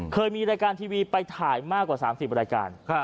เคยมีรายการทีวีไปถ่ายมากกว่า๓๐รายการ